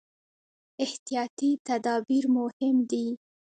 احتیاطي تدابیر مهم دي.